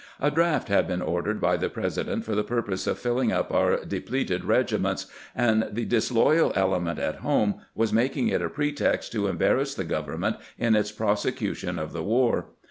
A draft had been ordered by the President for the purpose of filling up our depleted reg iments, and the disloyal element at home was making A DEAFT ORDEKED 279 it a pretext to embarrass the government in its prose cution of the war.